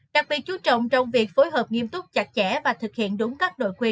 đặc biệt chú trọng trong việc phối hợp nghiêm túc chặt chẽ và thực hiện đúng các nội quy